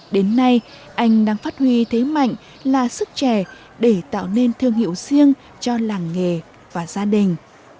đến nay anh đang phát huy thế mạnh là sức trẻ để tạo nên thương hiệu riêng cho làng nghề và gia đình